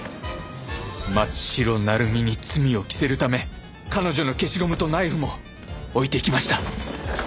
松代成実に罪を着せるため彼女の消しゴムとナイフも置いていきました。